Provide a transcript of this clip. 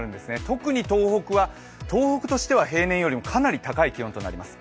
特に東北は、東北としてはかなり高い気温となります。